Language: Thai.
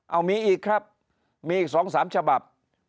เอามีอีกครับมีอีก๒๓ฉบับ